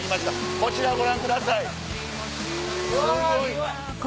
こちらご覧ください。